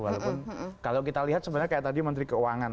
walaupun kalau kita lihat sebenarnya kayak tadi menteri keuangan